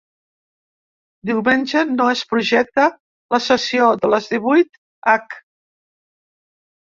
Diumenge no es projecta la sessió de les divuit h.